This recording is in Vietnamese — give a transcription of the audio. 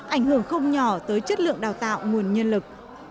ảnh hưởng không nhỏ tới chất lượng đào tạo nguồn nhân lực